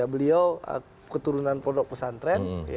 beliau keturunan produk pesantren